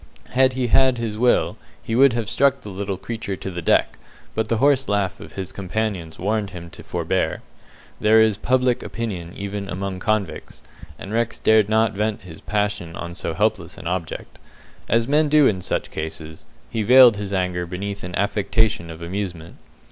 Had he had his will, he would have struck the little creature to the deck, but the hoarse laugh of his companions warned him to forbear. There is "public opinion" even among convicts, and Rex dared not vent his passion on so helpless an object. As men do in such cases, he veiled his anger beneath an affectation of amusement.